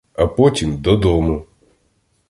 А потім — додому!